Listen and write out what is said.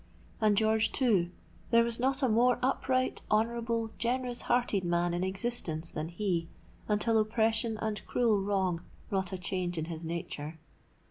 And George too,—there was not a more upright, honourable, generous hearted man in existence than he, until oppression and cruel wrong wrought a change in his nature.